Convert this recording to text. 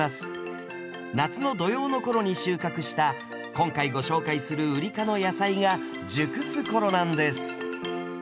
夏の土用の頃に収穫した今回ご紹介するウリ科の野菜が熟す頃なんです。